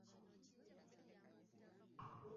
Tosobola kutwala nnyumba ya taata waffe.